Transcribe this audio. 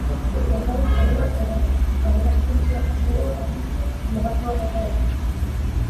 Ez da diktadura gogorrena, adierazpen askatasuna badute, mugatua bada ere.